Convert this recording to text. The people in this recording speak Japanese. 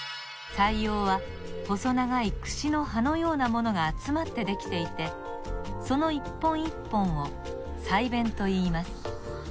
鰓葉は細長いくしの歯のようなものがあつまってできていてこの一本一本を鰓弁といいます。